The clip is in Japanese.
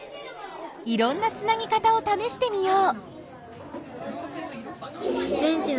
いろんなつなぎ方をためしてみよう。